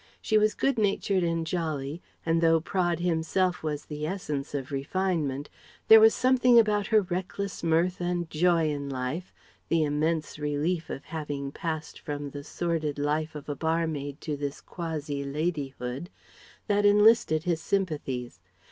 She was good natured and jolly, and though Praed himself was the essence of refinement there was something about her reckless mirth and joy in life the immense relief of having passed from the sordid life of a barmaid to this quasi ladyhood that enlisted his sympathies.